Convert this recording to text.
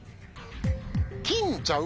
金ちゃう？